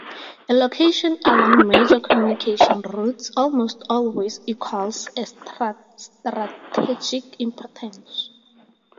A location along major communication routes almost always equals a strategic importance.